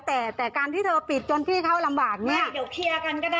แต่แต่การที่เธอปิดจนพี่เข้าลำบากเนี่ยเดี๋ยวเคลียร์กันก็ได้